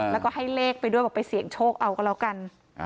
แล้วก็ให้เลขไปด้วยเหลือเสียงโชคเอากัน